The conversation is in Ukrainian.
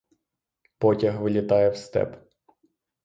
Потяг вилітає в степ.